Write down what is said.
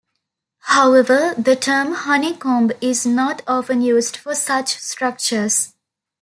However, the term "honeycomb" is not often used for such structures.